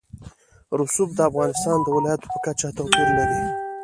رسوب د افغانستان د ولایاتو په کچه توپیر لري.